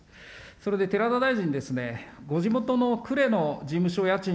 それで寺田大臣ですね、ご地元のくれの事務所